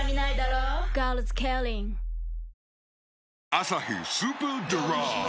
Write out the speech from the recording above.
「アサヒスーパードライ」